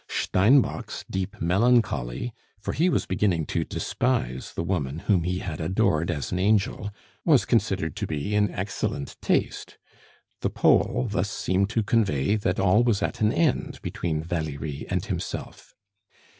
Steinbock's deep melancholy for he was beginning to despise the woman whom he had adored as an angel was considered to be in excellent taste. The Pole thus seemed to convey that all was at an end between Valerie and himself.